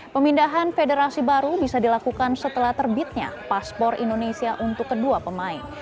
pemindahan federasi baru bisa dilakukan setelah terbitnya paspor indonesia untuk kedua pemain